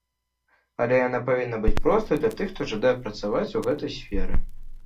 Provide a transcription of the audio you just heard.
Але яна павінна быць простай для тых, хто жадае працаваць у гэтай сферы.